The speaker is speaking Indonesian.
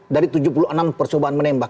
dari tujuh puluh enam percobaan menembak